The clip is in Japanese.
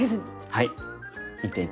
はい。